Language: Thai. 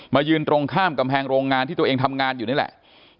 ยืนตรงข้ามกำแพงโรงงานที่ตัวเองทำงานอยู่นี่แหละ